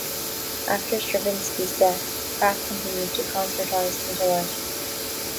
After Stravinsky's death, Craft continued to concertize and to write.